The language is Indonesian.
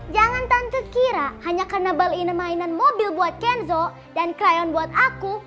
jangan tante kira hanya karena balina mainan mobil buat kenzo dan crayon buat aku